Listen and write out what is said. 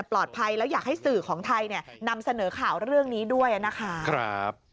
ปลอดภัยแล้วอยากให้สื่อของไทยเนี่ยนำเสนอข่าวเรื่องนี้ด้วยนะคะ